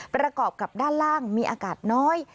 ประกอบกับด้านล่างมีอากาศน้อย